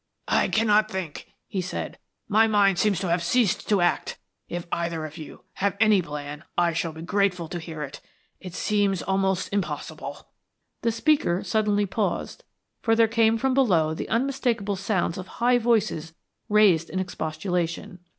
"I cannot think," he said. "My mind seems to have ceased to act. If either of you have any plan I shall be grateful to hear it. It seems almost impossible " The speaker suddenly paused, for there came from below the unmistakable sounds of high voices raised in expostulation.